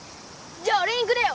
じゃ俺にくれよ！